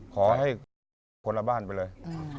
ขอให้คนละบ้านไปเลย